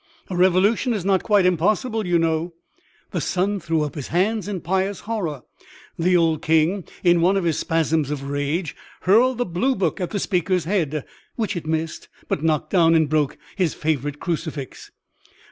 A revolution is not quite impossible, you know." The Son threw up his hands in pious horror; the old King, in one of his spasms of rage, hurled the blue book at the speaker's head, which it missed, but knocked down and broke his favorite crucifix.